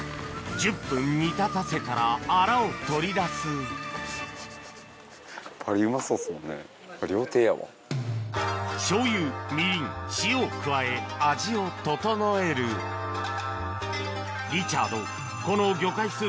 １０分煮立たせたらアラを取り出す醤油みりん塩を加え味を調えるリチャード